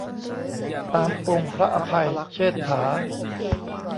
ตามองค์พระอภัยเชษฐา